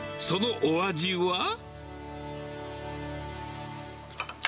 そのお味は？